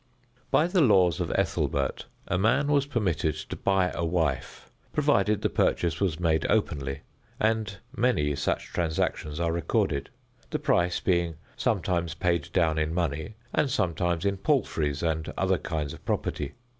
By the laws of Ethelbert a man was permitted to buy a wife, provided the purchase was made openly, and many such transactions are recorded, the price being sometimes paid down in money, and sometimes in palfreys and other kinds of property.